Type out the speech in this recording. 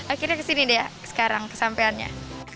akhirnya kesini deh ya sekarang kesampeannya